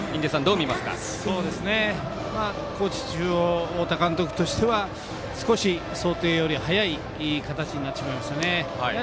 中央太田監督としては少し、想定より早い形になってしまいましたね。